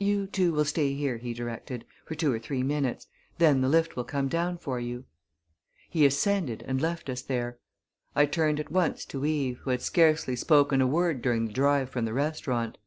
"You two will stay here," he directed, "for two or three minutes. Then the lift will come down for you." He ascended and left us there. I turned at once to Eve, who had scarcely spoken a word during the drive from the restaurant.